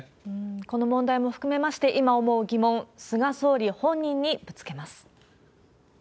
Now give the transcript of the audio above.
この問題も含めまして、今思う疑問、菅総理本人にぶつけます。